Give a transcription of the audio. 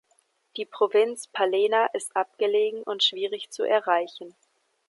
Die Provinz Palena ist abgelegen und schwierig zu erreichen.